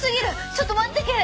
ちょっと待ってけれ！